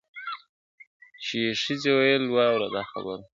چي یې ښځي ویل واوره دا خبره ..